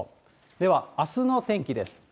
では、あすの天気です。